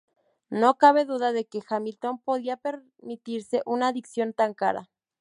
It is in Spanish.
No cabe duda de que Hamilton podía permitirse una adicción tan cara.